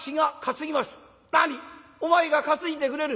「何お前が担いでくれる？